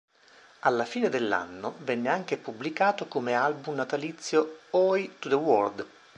Alla fine dell'anno venne anche pubblicato come album natalizio "Oi to the World!